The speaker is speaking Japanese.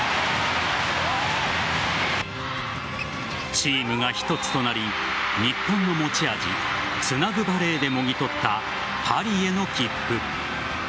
チームが一つとなり日本の持ち味つなぐバレーでもぎ取ったパリへの切符。